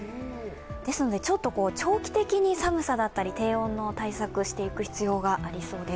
ですので長期的に寒さだったり低温の対策していく必要がありそうです。